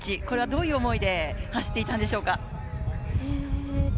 これはどういう思いで走っていたんでしょうか？